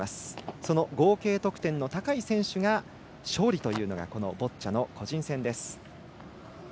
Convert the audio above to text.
その合計得点の高い選手が勝利というのがボッチャの個人戦です。